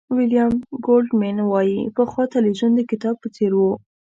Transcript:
ویلیام گولډمېن وایي پخوا تلویزیون د کتاب په څېر و.